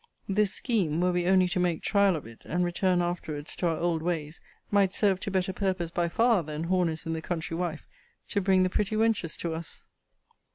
This scheme, were we only to make trial of it, and return afterwards to our old ways, might serve to better purpose by far, than Horner's in the Country Wife, to bring the pretty wenches to us.